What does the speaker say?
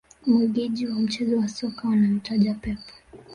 Magwiji wa mchezo wa soka wanamtaja Pep